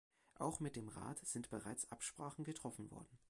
Auch mit dem Rat sind bereits Absprachen getroffen worden.